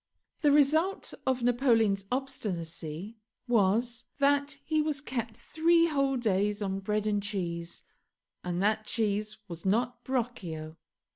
The result of Napoleon's obstinacy was, that he was kept three whole days on bread and cheese, and that cheese was not 'broccio'.